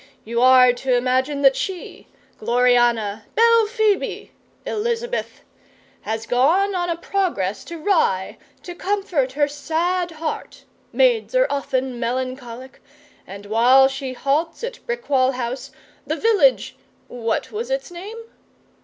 You are to imagine that she Gloriana, Belphoebe, Elizabeth has gone on a progress to Rye to comfort her sad heart (maids are often melancholic), and while she halts at Brickwall House, the village what was its name?